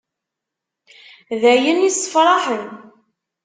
D ayen issefraḥen.